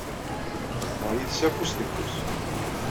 Xedmeɣ yid-s afus deg ufus.